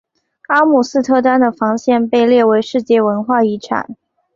阿姆斯特丹的防线被列为世界文化遗产。